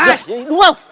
giời gì đúng không